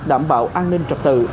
đảm bảo an ninh trập tự